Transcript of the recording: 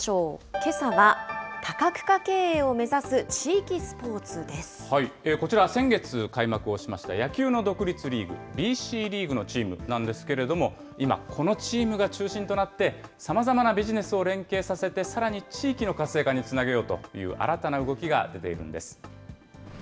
けさは、多角化経営を目指す地域こちら、先月開幕をしました野球の独立リーグ、ＢＣリーグのチームなんですけれども、今、このチームが中心となって、さまざまなビジネスを連携させて、さらに地域の活性化につなげようという新たな動きが出ているんです。